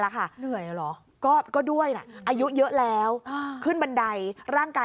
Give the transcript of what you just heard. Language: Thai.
แล้วค่ะเหนื่อยเหรอก็ด้วยล่ะอายุเยอะแล้วขึ้นบันไดร่างกาย